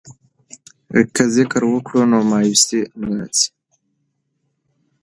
که ذکر وکړو نو مایوسي نه راځي.